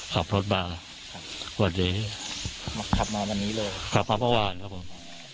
ขับรถมาวันดีมามาไว้มาทำมาประวานครับผม